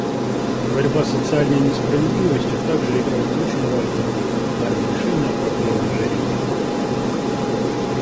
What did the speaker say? Борьба с социальной несправедливостью также играет очень важную роль в плане решения проблемы ожирения.